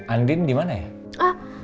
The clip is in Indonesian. andin dimana ya